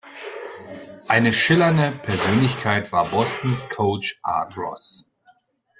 Eine schillernde Persönlichkeit war Bostons Coach Art Ross.